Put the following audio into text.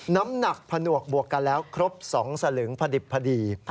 น้ำหนักผนวกบวกกันแล้วครบ๒สลึงพอดิบพอดี